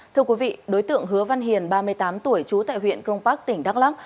thưa quý vị đối tượng hứa văn hiền ba mươi tám tuổi trú tại huyện crong park tỉnh đắk lắc